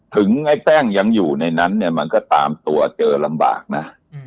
ไอ้แป้งยังอยู่ในนั้นเนี่ยมันก็ตามตัวเจอลำบากนะ